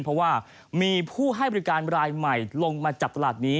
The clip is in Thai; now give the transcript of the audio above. เพราะว่ามีผู้ให้บริการรายใหม่ลงมาจับตลาดนี้